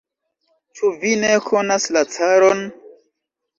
Ĉu vi ne konas la caron?